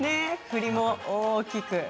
振りも大きく。